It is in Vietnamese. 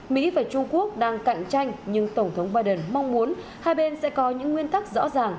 mỹ và trung quốc đang cạnh tranh nhưng tổng thống biden mong muốn hai bên sẽ có những nguyên tắc rõ ràng